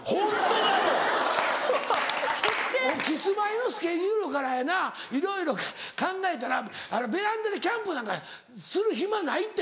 キスマイのスケジュールからやないろいろ考えたらベランダでキャンプなんかする暇ないって。